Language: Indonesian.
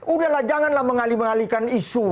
udahlah janganlah menghalikan isu